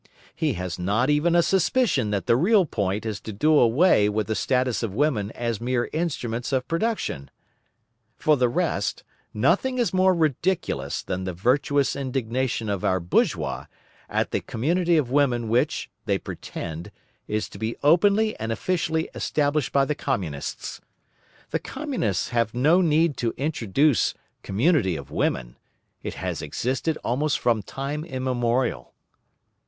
He has not even a suspicion that the real point is to do away with the status of women as mere instruments of production. For the rest, nothing is more ridiculous than the virtuous indignation of our bourgeois at the community of women which, they pretend, is to be openly and officially established by the Communists. The Communists have no need to introduce community of women; it has existed almost from time immemorial.